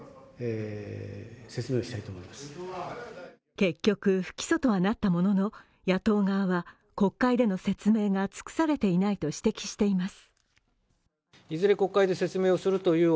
結局、不起訴とはなったものの、野党側は国会での説明が尽くされていないと指摘しています。